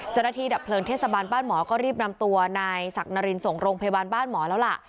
เจ้าหน้าที่ดับเพลิงเทศบาลบ้านหมอก็รีบนำตัวนายศักรินส่งโรงพยาบาลบ้านหมอแล้วล่ะ